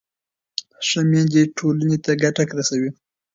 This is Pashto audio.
ښه میندې ټولنې ته ګټه رسوي.